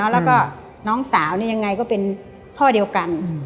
แล้วก็น้องสาวนี่ยังไงก็เป็นพ่อเดียวกัน